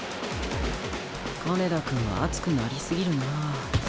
金田君は熱くなり過ぎるなあ。